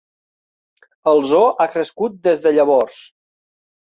El zoo ha crescut des de llavors.